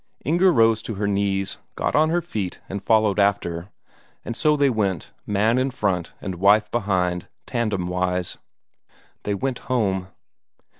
Inger rose to her knees, got on her feet and followed after, and so they went, man in front and wife behind, tandem wise. They went home.